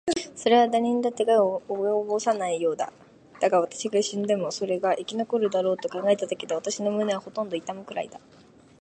それはだれにだって害は及ぼさないようだ。だが、私が死んでもそれが生き残るだろうと考えただけで、私の胸はほとんど痛むくらいだ。